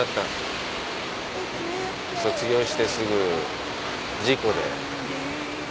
卒業してすぐ事故で。